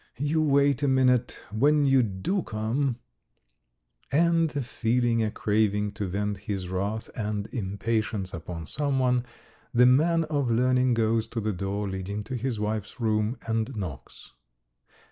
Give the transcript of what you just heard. You wait a minute, when you do come ...." And feeling a craving to vent his wrath and impatience upon someone, the man of learning goes to the door leading to his wife's room and knocks.